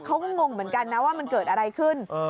งงเหมือนกันนะว่ามันเกิดอะไรขึ้น